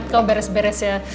kamu beres beres ya